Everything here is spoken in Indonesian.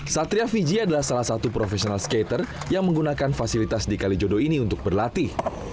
satria fiji adalah salah satu professional skater yang menggunakan fasilitas di kalijodo ini untuk berlatih